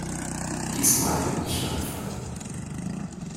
Diesmal will ich anfangen.